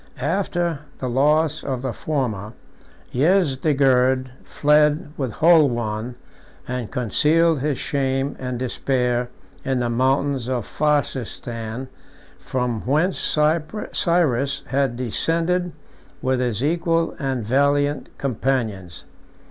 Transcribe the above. After the loss of the former, Yezdegerd fled from Holwan, and concealed his shame and despair in the mountains of Farsistan, from whence Cyrus had descended with his equal and valiant companions.